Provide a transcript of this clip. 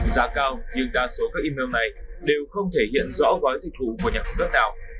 giá cao nhưng đa số các email này đều không thể hiện rõ gói dịch vụ của nhà cung cấp nào